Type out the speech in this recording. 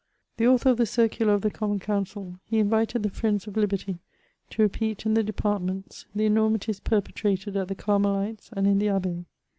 The author of the circular of the common council, he invited the friends of liberty to repeat in tiie departments the enormitiea perpetrated at the Carmelites and in the Abbaye.